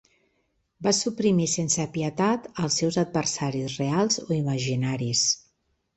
Va suprimir sense pietat als seus adversaris reals o imaginaris.